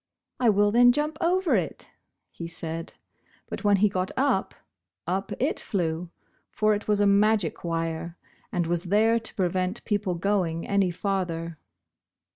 "I will then jump over it," he said. But when he got up, up it flew, for it was a magic wire, and was there to prevent people going any farther.